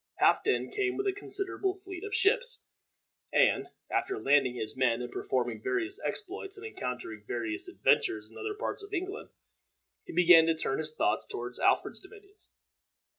Halfden came with a considerable fleet of ships, and, after landing his men, and performing various exploits and encountering various adventures in other parts of England, he began to turn his thoughts toward Alfred's dominions.